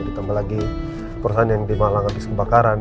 ditambah lagi perusahaan yang dimalang habis kebakaran